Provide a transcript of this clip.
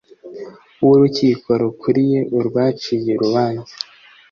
w Urukiko rukuriye urwaciye urubanza